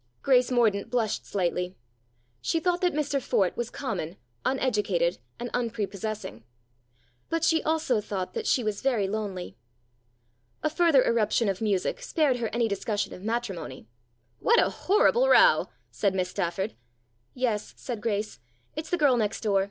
Grace Mordaunt blushed slightly. She thought that Mr Fort was common, uneducated, and un prepossessing. But she also thought that she was very lonely. A further irruption of music spared her any discussion of matrimony. " What a horrible row !" said Miss Stafford. "Yes," said Grace. "It's the girl next door.